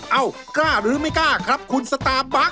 เอ้ากล้าหรือไม่กล้าครับคุณสตาร์บั๊